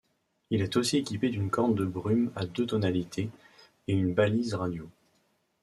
Il est aussi équipé d'une corne de brume à deux tonalités et une balise-radio.